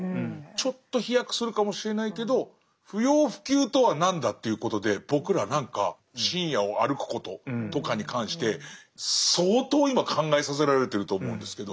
ちょっと飛躍するかもしれないけど不要不急とは何だ？っていうことで僕ら何か深夜を歩くこととかに関して相当今考えさせられてると思うんですけど。